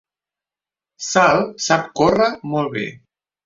Sal sap córrer molt bé.